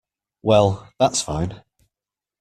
Well, that's fine.